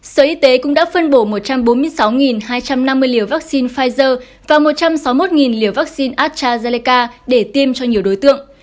sở y tế cũng đã phân bổ một trăm bốn mươi sáu hai trăm năm mươi liều vaccine pfizer và một trăm sáu mươi một liều vaccine astrazeleca để tiêm cho nhiều đối tượng